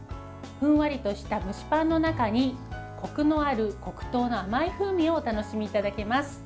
ふんわりとした蒸しパンの中にこくのある黒糖の甘い風味をお楽しみいただけます。